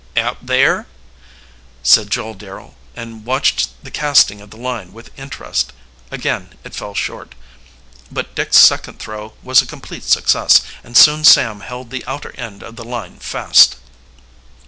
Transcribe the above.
"Out there," said Joel Darrel, and watched the casting of the line with interest. Again it fell short, but Dick's second throw was a complete success, and soon Sam held the outer end of the line fast.